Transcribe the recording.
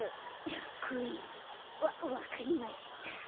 らくえん。わわかりました。